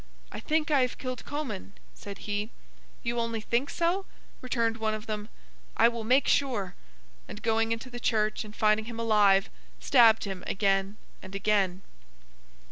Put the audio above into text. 'I think I have killed Comyn,' said he. 'You only think so?' returned one of them; 'I will make sure!' and going into the church, and finding him alive, stabbed him again and again.